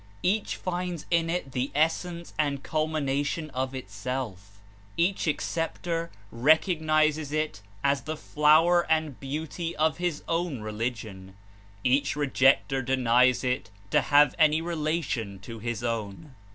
Each finds in it the essence and culmination of itself. Each ac cepter recognizes it as the flower and beauty of his own religion; each rejecter denies it to have any re lation to his own.